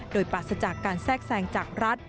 โดยปราศจากการแทรกแทรงจากรัฐ